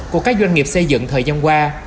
của các doanh nghiệp xây dựng thời gian qua